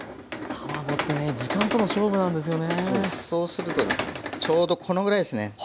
そうするとちょうどこのぐらいですね。